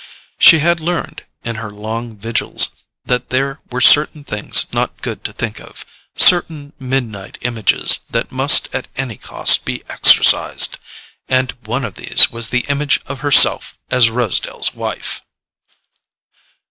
She had learned, in her long vigils, that there were certain things not good to think of, certain midnight images that must at any cost be exorcised—and one of these was the image of herself as Rosedale's wife.